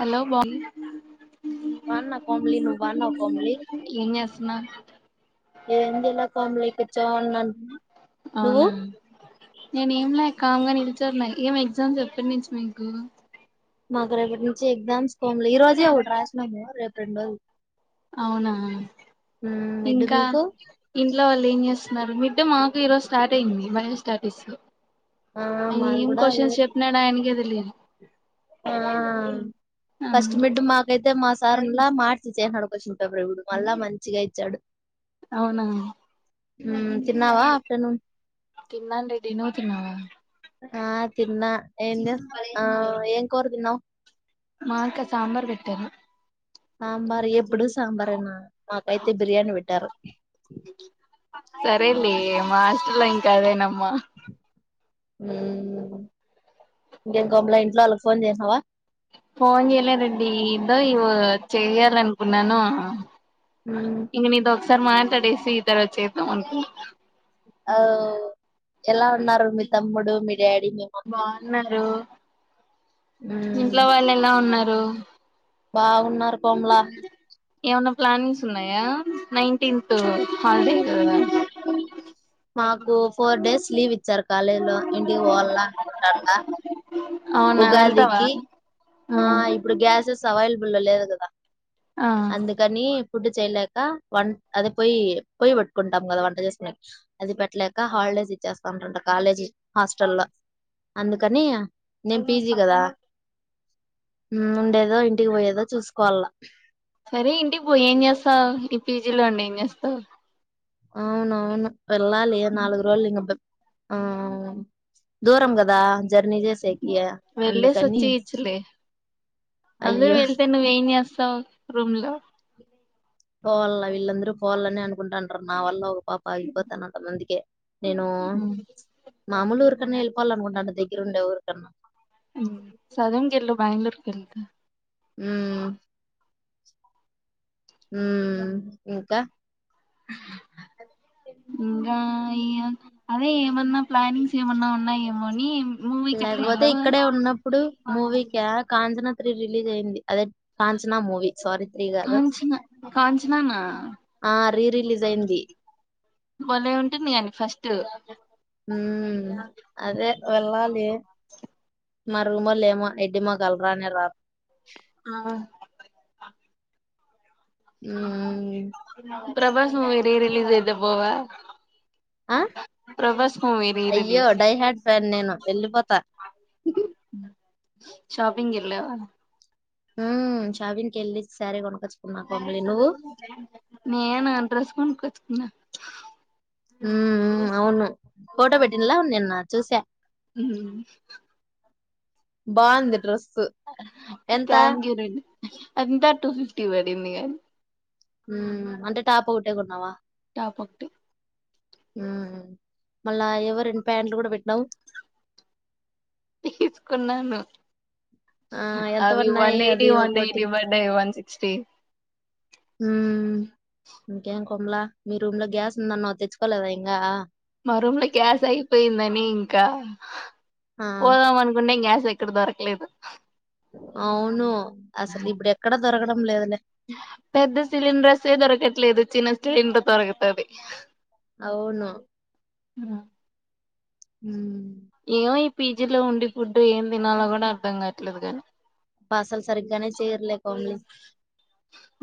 Hello బా బాన్నా కొమలీ నువ్వు బాన్నావా కొమలి ఏం చేస్తున్నా ఎం చేయాలె కొమలి కూర్చొనే ఉన్నాను నువ్వు అవునా నేనేంలే కామ్గా నిల్చున్న ఏం ఎగ్జామ్స్ ఎప్పటి నుంచి మీకు మాకు రేపటి నుంచి ఎక్జామ్స్ కోమ్లి ఈ రోజే ఒకటి రాసినాము రేప్ రెండోది అవునా మిడ్ ఇంకా మీకు ఇంట్లో వాళ్ళు ఏం చేస్తున్నారు మీ డ్ మాకు ఈరోజు స్టార్ట్ అయింది బయోస్టాటిస్ ఆ మాది అయేం కూడా అదే కొషన్స్ చెప్పినాడాయనకే తెలీదు ఆ ఫస్ట్ మిడ్డు మాకైతే మాస్ సార్ ఉండ్లా మార్చిచ్చేస్నాడు క్వశ్చన్ పేపర్ ఇప్పుడు మళ్ళా మంచిగా ఇచ్చాడు అవునా మ్మ్ తిన్నావా ఆఫ్టర్నూన్ తిన్నాను రెడి నువు తిన్నావా ఆ తిన్నా ఏం చేస్ ఆ ఏం కూర తిన్నావ్ మాకా సాంబార్ పెట్టారు ఆ మరి ఎప్పుడు సాంబారేనా మాకైతే బిర్యానీ పెట్టారు సరే లే మా హాస్టల్లో ఇంకా అదేనమ్మ ఇంకేం కోమల ఇంట్లో వాళ్ళకి ఫోన్ చేసినావా ఫోన్ చేయలే రెడ్డి ఇబ్బో ఇవు చెయ్యాలను కున్నాను మ్మ్ ఇంగ నీతో సర్ మాటాడేసి తరవాత చేద్దాం అనుకు అవ్ ఎలా ఉన్నారు మీ తమ్ముడు మీ డాడీ మీ ఉమ్ బావున్నారు ఇంట్లో వాళ్ళు ఎలా ఉన్నా రు బావున్నారు కొమలా ఏమన్నా ప్లానింగ్స్ ఉన్నాయా నైన్టీన్త్ హాలిడే కదా మాకు ఫోర్ డేస్ లీవ్ ఇ చ్చారు కాలేజ్లో ఇంటికి పోవాలా అనుకుంటాండా అవునా వెళ్తావా ఉగాదికి ఆ ఇప్పుడు గ్యాస్ జుస్ అవైలబుల్ లో లేదు కదా ఆ అందుకని ఫుడ్ చేయలేక వన్ అది పొయ్యి పొయ్యి పెట్టుకుంటాం కదా వంట చేసుకునే అది పెట్టలేక హాలిడేస్ ఇచ్చేస్తా అంటంట కాలేజీ హాస్టల్ లో అందుకని నేను పీ జీ కదా ఉమ్మ్ ఉండేదో ఇంటికి పోయేదో చూసుకోవాల సరే ఇంటి పో ఏం చేస్తావ్ ఈ పీ జి లో ఉండి ఏం చేస్తావు అవునవును వెళ్ళాలి నాలుగు రోజులు ఇంగ బెబ్ ఆ దూరం కదా జర్నీ చేసేకి వెళ్లేేసి అందుకని వచ్చి ఇచ్చలే అందరు అయ్యో వెళ్తే నువ్వేం చేస్తావ్ వస్తావు రూమ్ లో పోవాల వీళ్ళందరూ పోవాలని అనుకుంటుంటారు నా వల్ల ఒక పాప అగిపోతానంట అందుకే నేను మాములురు అక్కడనా వెళ్ళాల అనుకుంటున్న దగ్గర ఉండే ఊరికన్నా హ్మ్ సడన్గా గెల్లు బ్యాంగళూరు వెళ్తా ఉమ్మ్ ఉమ్మ్ ఇంకా [inaudible] ఉమ్ ఆ ఇయ్యో అదే ఏమన్నా ప్లానింగ్స్ ఏమన్నా ఉన్నాయేమో అని మూవీకి అట్లా లేకపోతే వెళ్ళవా ఇక్కడే ఉన్నప్పుడు మూవీ క కాంచనా త్రీ రిలీజ్ అయింది. అదే కాంచ్ కాంచనా కాంచనానా, ఆ రీ రిలీజ్ అయింది బలే ఉంటుంది కానీ ఫస్ట్ హుమ్ అదే వెళ్ళాలి మ రూమ్లు ఏమో ఎడ్డి మొఖాలు రానే రారు ఆ ఉమ్మ్ ప్రభాస్ మూవీ రీ రలీస్ అయితే పోవ ఆ అయ్యో రిలీజ్ డై హ్యాడ్ ఫ్యాన్ నేను, వెళ్ళిపోతా. షాపింగ్ ఎలావ ఉహుమ్ షాపింగ్ కెళ్ళి శారీ కొనుకోచ్ నేనా డ్రెస్ కొనుక్కొచ్చు నా హ్మ్మ్ హ్మ్మ్ అవును ఫోటో పెట్టినలా నిన్న చూసా బాగుంది డ్రెస్ ఎంత థాంక్ యు రెడ్ ఎంతా టూ ఫిఫ్టీ పడింది కాద్ ఉమ్ అంటే టాప ఓట్టే కొన్నావా టాప్ ఒకటి హ్మ్ మళ్ళా ఎవో రెండు ప్యాంట్లు కూడా పెట్టినావు తీసుకున్నాను ఆ, ఎంత అవి పడినాయి వన్ అది ఎయిటీ వన్ ఒకటి ఎయిటీ బంటయి వన్ సిక్స్టీ ఉమ్, ఇంకేం కొమ్లా మీ రూమ్ లో గ్యాస్ ఉందన్న తెచ్చుకోలేదా ఇంకా మా రూమ్ లో గ్యాస్ అయిపోయిందని కా ఆ, పోదామ్ అనుకున్నా ఇంక గ్యాస్ ఎ ఇక్కడ దొరకలేదు అవును అసలు ఇప్పుడు ఎక్కడ దొరకడం లేదులే పెద్ద సిలిండర్స్సె ఏ దొరకట్లేదు చిన్న టే ఎందుకుదొరకతాది అవును ఉమ్ ఉమ్ ఏమో ఈ పీజీలో ఉండి ఫుడ్ ఏం తినాలో కూడా అర్ధం కావట్లేదు కాగాని అబ్బా అసల్ సరిగ్గానే చేయర్లే కోమ్లీ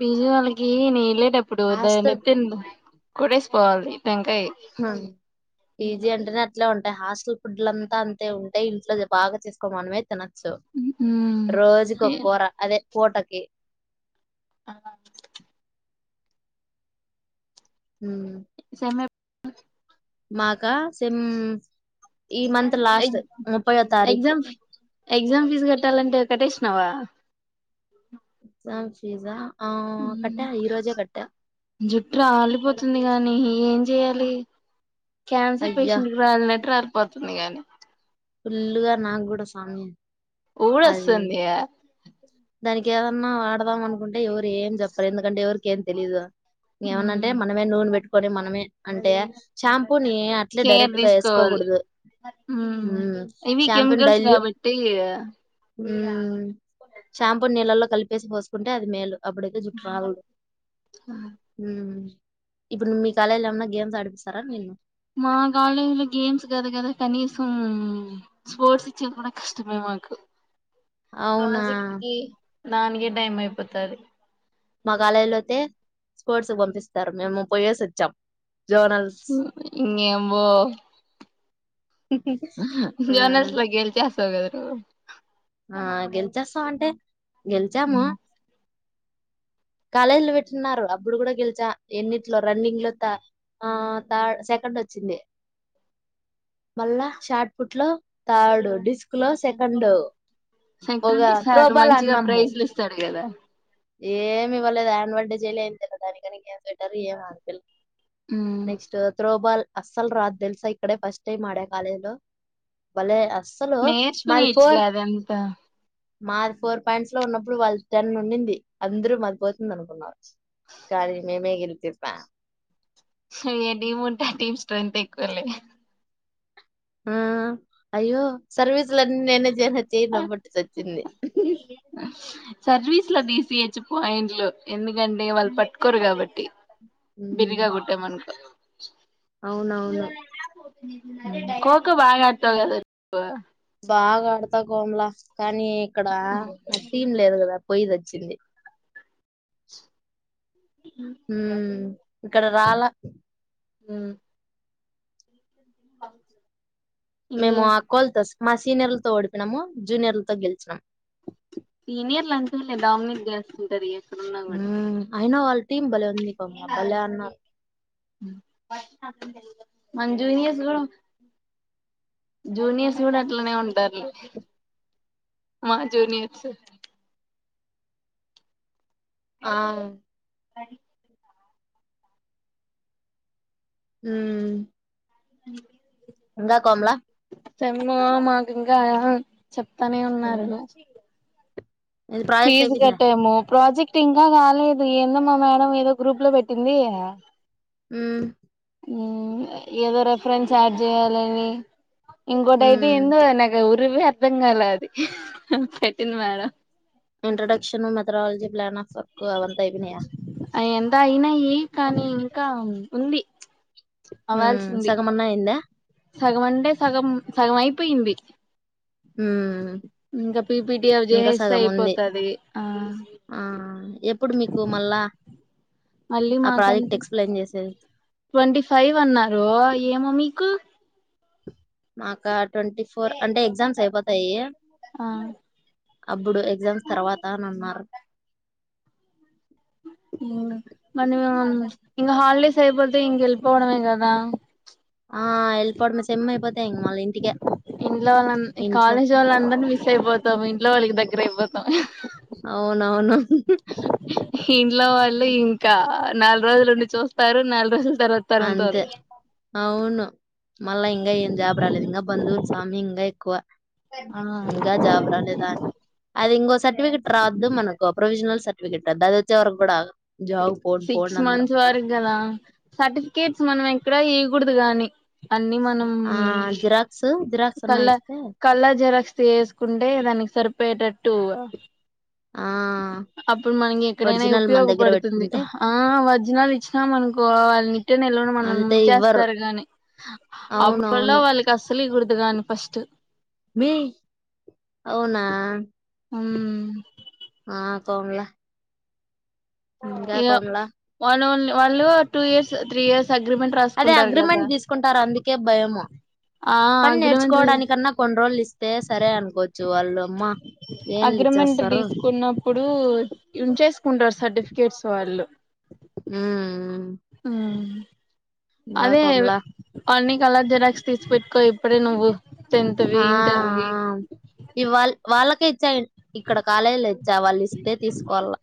పిజీ వాళ్ళకి ఎనేనె వెళ్ళలేటప్పుడు ద హాస్టల్ నెత్తంది కుడే స్ పాల్ది టెంకాయ్ పిజీ అంటేనే అట్లే ఉంటాయి హాస్టల్ ఫుడ్ల అంతా అంతే ఉంటాయి ఇంట్లో బాగా చేసుకో మనమే తినాలి రోజుకుక్కో కూర అదే పూటకి ఆ ఉమ్ అమె మాకా సే హ్మ్మ్ ఎగ్ తారీఖు ఎగజామ్ ఎగ్జామ్ ఫీజ్ కట్టాలంటే కటేషినావ సార్ చీజా జుట్టు రాలిపోతుంది గానీ ఏం చేయాలి క్యాన్సర్ అయ్యా పేషంట్ రాల్నట్టు రాల్పొతుంద్ ని గాని ఫుల్లుగా నాకు కూడాూ స్వామి అది ఊడస్తుందియా దానికి ఏదన్నా వాడదాం అనుకుంట్ ఎవరు ఏం చెప్పరు ఎందుకంటే ఎవర్ కేం తెలిద ఏమన్నంటే మనమే నూనె పెట్టుకుం పోని మనమే అంటే షాంపూ ని అట్లే కేర్ డైరెక్ట్గా తీసుకోవాలి వేసుకోకూడదు హ్మ్ ఇవి షాంపూని కెమికల్స్ డైల్యూ కాబట్టి హ్మ్ షాంపూ నీళ్ళల్లో కలిపేసి పోసుకుంటే అది మేలు అప్పుడేతే జుట్టురాల్దు హ్మ్ ఇప్పుడు ను మీ కాలేజ్ లో ఏమన్నా గేమ్స్ ఆడిపిస్తారా నిన్ను మా కాలేజీ లో గేమ్స్ కాదు కదా కనీసం స్పోర్ట్స్ ఇచ్చేది కూడా కష్టమే మాకు అవునా రాజకికి నాన్ గే టైమైపోతది స్పోర్ట ఇం యబ్బో ఆ జోనస్ లోగే ఎల్తే ద గదా ను ఆ గెలిచేస్తా అంటే గెల్చా మ నువ్వు కాలేజీ లో పెట్టిన్నారు అప్పుడు కూడా గెలిచా ఎన్నిట్లో రన్నింగ్ లో త ఆ థర్ సెకండ్ వచ్చింది మళ్ళా షార్ట్ పుట్ లో థర్డ్ డిస్క్ లో సెకండు ఒక త్రోబాల్ అన్నాము గదా ఏమి ఇవ్వలే దాని వడ్డే జయలేం ఎంజేయాలే దానికి గని ఇంకేం స్వెటర్ ఏం ఆపిల్ల మ్ నెక్స్టు త్రోబాల్ అస్సలు రాదు తెలుసా ఇక్కడ ఫస్ట్ టైమ్ ఆడామ్ కాలేజ్ లో బలే అసలు మాది నేర్చుకునేయచ్చులే ఫర్ అదంతా మాది ఫోర్ పాయింట్స్ లో ఉన్నప్పుడు వాళ్ళది టెన్ ఉండిది అందరూ అదిపోతుంద [unintelligible] అనుకున్నారు కాల మే మేగిల్ [unintelligible] చెప్పా ఏ టీమ్ ఉంటా టీమ్స్ స్త్రెంత్ ఇక్వలీ ఆమ్ అయ్యో సర్వీస్ లన్ని నేనే జే చేయినోబట్టి తె చచ్చింది సర్వీస్ లో డిసిహెచ్ పాయింట్లు ఎందుకంటె నేను వాళ్ళు పట్టుకోరు కాబట్టి బిరిగా ఉమ్, కుట్టామనుకో అవునవును కోక బాగా [unintelligible] బాగా ఆడతా కోమ్లా కానీ ఇక్కడ నాక్ సీన్ లేదు కదా పోయిసచ్చింది ఉమ్ ఇక్కడ రాలా ఉమ్ ఇంగే మేము అక్కో ల్ తెస్ మా సీనియర్లతో ఓడి పోయినము జూనియర్లతో గెలిచినం ఒంటరి ఉమ్ అయిన వాళ్ళ టీమ్ బలే [inaudible] మన్ జూనియర్స్ జూనియర్స్ చూడు అట్లనే ఉంటారులే మా జూనియార్స్ ఆ అ [unintelligible] ఉమ్ అ [unintelligible] సెమ్ మాకింకా చెప్తానే ఉన్నారు ఇది ప్రాజెక్ట్ ఫీజు అయిపోయిందా కట్టాము ప్రాజెక్ట్ ఇంకా కాలేదు ఏందో మా మేడం ఏదో గ్రూప్ లో పెట్టింది ఉమ్ ఉమ్ ఏదో రెఫరెన్స్ యాడ్ చేయాలని ఇంకోటి అయితే ఎందుో నాకు ఊరివే అర్ధం కాల అది పెట్టింది madam introduction methodology plan of work అవంతా అయ్పోనాయా అయంత అయినాయ్ కానీ ఇంకా ఉంది ఉంది అవ్వాల్సింది సగం అన్నా అయిందా సగం అంటే సగం సగం అయిపోయింది ఉమ్ ఇంకా పిపిటి అవి జేసేస్ తే ఉంది అయిపోతది ఆ ఆ ఎప్పుడు మీకు మళ్ళా మళ్ళీ ఆ ప్రాజెక్ట్ మాకంటే ఎక్స్ప్లెయిన్ చేసేది ట్వంటీ ఫైవ్ అన్నారు ఏమో మీకు మాక ట్వంటీ ఫోర్ అంటే ఎగ్జామ్స్ అయిపోతాయి ఆ అబ్బుడు ఎగ్జామ్స్ తర్వాత అని అన్నారు ఇవ్వుడ మల్లి మేం ఇంగ హాలిడేస్ అయిపోతే ఇంక వెళ్ళి పో పోవడమే గదా ఆ ఎల్ పొడమే సేమ్ అయిపోతే ఇంగ మల్ ఇం ఇంట్లో వాళ్ళ న్ కాలేజోళ్ళ అందరినీ మిస్ అయిపోతాము ఇంట్లో వాళ్ళకి దగ్గర అయిపోతాం అవునవును కి ఇంట్లో వాళ్ళు ఇంకా నాలుగు రోజులు ఉండి చూస్తారు నాలుగు రోజులు తర్వాత తరుంతారు అంతే అవును మళ్ళా ఇంగా ఏం జాబ్ రాలేదు ఇంగా బంధవులుస్ సామి ఇంగా ఎక్కువ ఆ ఇంకా జాబ్ రాలేదా అని అది ఇంకో సర్టిఫికెట్ రాద్దు మనకు ప్రొవిజనల్ సర్టిఫికట్ డది వచ్చే వరకు కూడా అగర్ సిక్స్ మంత్స్ వరకు గదా సర్టిఫీ కెట్స్ మనం ఎక్కడ ఇయకూడదు గాని అన్ని మనం ఆ జిరాక్స్ జిరాక్స్ అన్నా కళ్ళ ఇస్తే కళ్ళర్ జిరాక్స్ చేసుకుంటే దానికి సరిపోయేటట్టు ఆ అప్పుడు మనకి ఎక్కడైనా ఒరిజినల్ మన దగ్గర ఉపయోగపడుతుంది పెట్టుకుంటే ఆ వర్జినల్ ఇచ్చినా మనకో వాళ్ళు నిట్టే నిల్వని మనల్ని అంతే ఇవ్వరు ముంచేస్తారు గాని అప్పులో అవునవును వాళ్ళకి అస్సలు ఇవ్వగూడదు గాను ఫస్ట్ మీ అవునా ఊమ్ ఆ తోంలా ఇగో వాళ్ల వల్లే వాళ్ళు two years three years agreement అదే రాసుకుంటారు కదా అగ్రిమెంట్ తీసుకుంటారు అందుకే భయము ఆ పని అగ్రిమెంట్ నేర్చుకోవడానికన్నా కొన్ని రోజులు ఇస్ ఇస్తే సరే అనుకోవచ్చు వాళ్ళు అమ్మ ఏంలు అగ్రిమెంట్ ఇచ్చేస్తారు తీసుకున్నప్పుడూ ఉంచేసుకుంటారు సర్టిఫికెట్స్ వాళ్ళు ఉమ్ ఆ ఇంకా అదే కోమలా కొన్ని కలర్ జిరాక్స్ తీస్ పెట్టుకో ఇప్పుడే నువ్వు టెన్త్ వి ఆ ఇంటర్ ఆ వి ఇవ్వాల్ వాళ్ళకే ఇచ్చా ఇక్కడ కాలేజీలో ఇచ్చా వాళ్లిస్తే తీసుకోవాల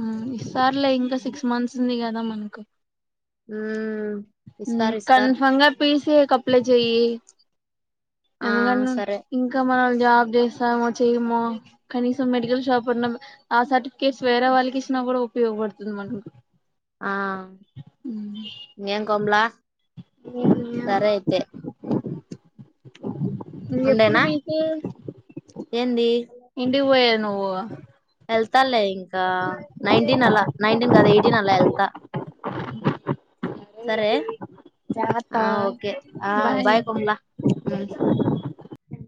ఆ ఇస్తార్లే ఇంకా సిక్స్ మంత్స్ ఉంది గా దా మనకు ఊ ఊ కన్ఫర్మ్గా పీ సి ఏ కీ అప్లై చెయ్యీ ఆ ఎందుకంటే సరే ఇంకా మనం జాబ్ చేస్తామొ చేయమో కనీసం మెడికల్ షాప్ ఉన్న ఆ సర్టిఫికేట్స్ వేరే వాళ్ళకి ఇచ్చినా కూడ ఉపయోగపడుతుంది మనకు ఆ ఇంగేం కమలా సరే అయితే [inaudible] ఉండేనా ఇంటికి ఏంది పొయ్యేద్ నువ్వూ ఆ ట్టాలే ఇంకా నైన్టీన్ అలా నైన్టీన్ గాదు ఎయిటీన్ అలా ఎళ్తా సరే జాగ్రత్త ఆ ఓకే ఆ బాయ్ కమ్లా హ్మ్